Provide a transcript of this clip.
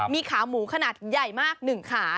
มีขามูขนาดใหญ่มากหนึ่งขา